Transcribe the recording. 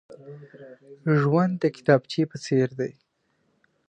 ژوند د کتابچې په څېر دی.